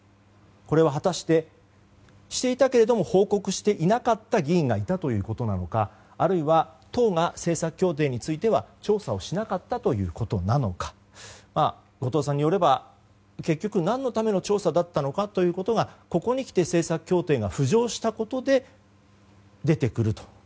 これは果たしてしていたけれども報告していなかった議員がいたということなのかあるいは党が政策協定については調査をしなかったということなのか後藤さんによれば、結局何のための調査だったのかここにきて政策協定が浮上したことで出てくると。